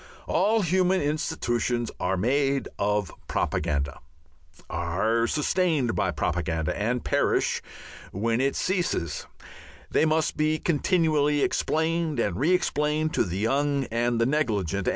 All human institutions are made of propaganda, are sustained by propaganda and perish when it ceases; they must be continually explained and re explained to the young and the negligent.